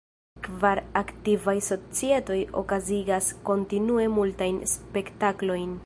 Kvar aktivaj societoj okazigas kontinue multajn spektaklojn.